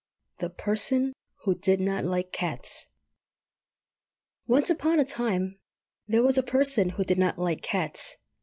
THE PERSON WHO DID NOT LIKE CATS. ONCE upon a time there was a Person who did not like cats.